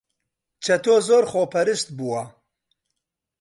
چەتۆ زۆر خۆپەرست بووە.